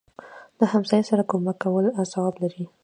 دهمسایه سره کومک کول ثواب لري